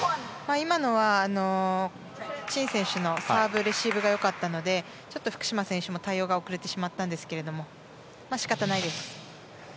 今のはチン選手のサーブレシーブが良かったので福島選手の対応が遅れてしまったんですけれど仕方がないです。